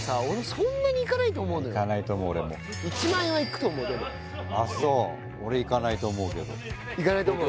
そんなにいかないと思うのよいかないと思う俺も１万円はいくと思うでもそう俺いかないと思うけどいかないと思う？